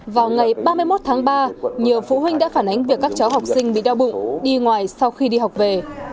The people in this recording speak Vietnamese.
vào ngày ba mươi một tháng ba nhiều phụ huynh đã phản ánh việc các cháu học sinh bị đau bụng đi ngoài sau khi đi học về